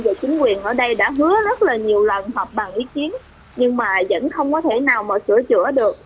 và chính quyền ở đây đã hứa rất là nhiều lần họp bằng ý kiến nhưng mà vẫn không có thể nào mà sửa chữa được